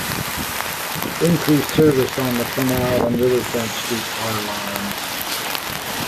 Increase service on the Canal and Riverfront streetcar lines.